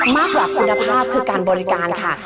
มากกว่าคุณภาพคือการบริการค่ะ